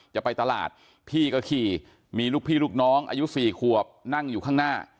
จะไปตลาดพี่ก็ขี่มีลูกพี่ลูกน้องอายุ๔ขวบนั่งอยู่ข้างหน้า